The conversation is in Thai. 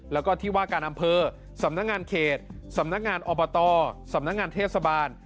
แล้วก็ที่ว่าการอำเภอสำนักงานเขตสำนักงานอบตสำนักงานเทศบาล